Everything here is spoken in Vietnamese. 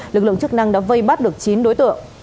lực lượng chức năng đã vây bắt được chín đối tượng